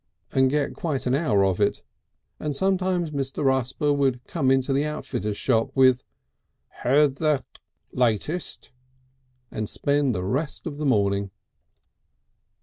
and get quite an hour of it, and sometimes Mr. Rusper would come into the outfitter's shop with "Heard the (kik) latest?" and spend the rest of the morning.